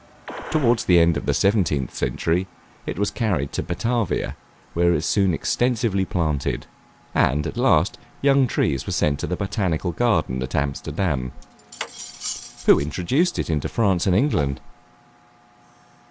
Towards the end of the seventeenth century, it was carried to Batavia where it was soon extensively planted, and at last young trees were sent to the botanical garden at Amsterdam. Who introduced it into France and England?